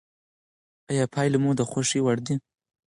آیا پایلې مو د خوښې وړ دي؟